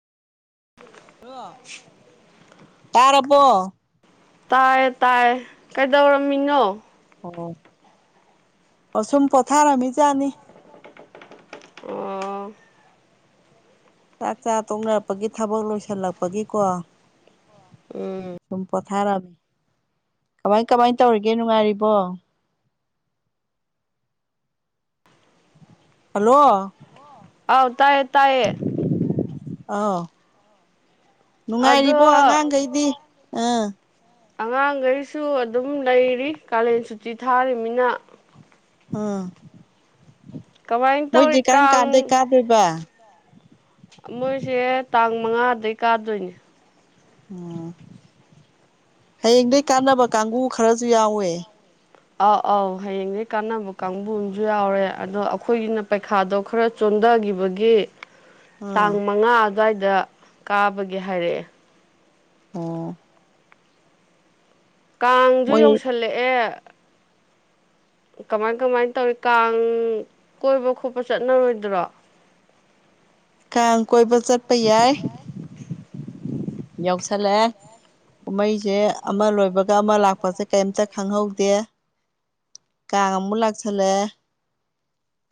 ꯇꯔꯔꯕꯣ ꯇꯥꯏ ꯇꯥꯏ ꯀꯩꯗꯧꯔꯝꯃꯤꯅꯣ ꯑꯣꯁꯨꯝ ꯄꯣꯊꯥꯔꯝꯃꯤꯖꯥꯠꯅꯤ ꯑꯣ ꯆꯥꯛ ꯆꯥ ꯇꯣꯡꯅꯔꯛꯄꯒꯤ ꯊꯕꯛ ꯂꯣꯏꯁꯤꯜꯂꯛꯄꯒꯤꯀꯣ ꯎꯝ ꯊꯥꯔꯑꯃꯦ ꯀꯃꯥꯏ ꯀꯃꯥꯏ ꯇꯧꯔꯤꯒꯦ ꯅꯨꯡꯉꯥꯏꯔꯤꯕꯣ ꯍꯜꯂꯣ ꯑꯥꯎ ꯇꯥꯏꯌꯦ ꯇꯌꯦ ꯑꯥꯎ ꯑꯗꯣ ꯅꯨꯡꯉꯥꯏꯔꯤꯕꯣ ꯑꯉꯥꯡꯈꯩꯗꯤ ꯑꯥ ꯑꯉꯥꯡꯈꯩꯁꯨ ꯑꯗꯨꯝ ꯂꯩꯔꯤ ꯀꯥꯂꯦꯟ ꯁꯨꯇꯤ ꯊꯥꯔꯤꯅꯤꯅ ꯑꯝ ꯀꯃꯥꯏꯅ ꯃꯣꯏꯗꯤ ꯇꯧꯔꯤ ꯀꯔꯝ ꯀꯥꯟꯗꯣꯏ ꯀꯥꯡ ꯀꯥꯗꯣꯏꯕ ꯃꯣꯏꯁꯦ ꯇꯥꯡ ꯃꯉꯥꯗꯒꯤꯩ ꯀꯥꯗꯣꯏꯅꯦ ꯎꯝ ꯍꯌꯦꯡꯗꯒꯤꯩ ꯀꯥꯟꯅꯕ ꯀꯥꯡꯒ ꯈꯔꯁꯨ ꯌꯥꯎꯋꯦ ꯑꯥꯎ ꯑꯥꯎ ꯍꯌꯦꯡꯅꯦ ꯀꯥꯟꯅꯕ ꯀꯥꯡꯕꯨ ꯑꯃꯁꯨ ꯌꯥꯎꯔꯦ ꯑꯗꯣ ꯑꯩꯈꯣꯏꯒꯤꯅ ꯄꯩꯈꯥꯗꯣ ꯈꯔ ꯈꯟꯊꯈꯤꯕꯒꯤ ꯇꯥꯡ ꯑꯥ ꯃꯉꯥ ꯑꯗꯨꯋꯥꯏꯗ ꯀꯥꯕꯒꯦ ꯍꯥꯏꯔꯛꯑꯦ ꯑꯣ ꯀꯥꯡꯁꯨ ꯃꯣꯏ ꯌꯧꯁꯜꯂꯛꯑꯦ ꯀꯃꯥꯏ ꯀꯃꯥꯏꯅ ꯇꯧꯔꯤ ꯀꯥꯡ ꯀꯣꯏꯕ ꯈꯣꯠꯄ ꯆꯠꯅꯔꯣꯏꯗ꯭ꯔꯣ ꯀꯥꯡ ꯀꯣꯏꯕ ꯆꯠꯄ ꯌꯥꯏ ꯌꯥꯎꯁꯂꯦ ꯀꯨꯝꯍꯩꯁꯦ ꯑꯃ ꯂꯣꯏꯕꯒ ꯑꯃ ꯂꯥꯛꯄꯁꯦ ꯀꯩꯝꯇ ꯈꯪꯍꯧꯗꯦ ꯀꯥꯡ ꯑꯃꯨꯛ ꯂꯥꯛꯁꯜꯂꯦ